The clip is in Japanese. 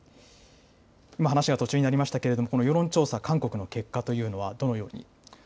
今、話が途中になりましたけれども、この世論調査、韓国の結果というのはどのように？